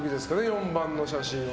４番の写真は。